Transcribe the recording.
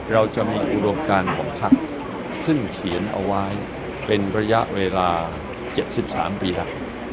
เราจะมีอุดมการของพักซึ่งเขียนเอาไว้เป็นระยะเวลา๗๓ปีแล้ว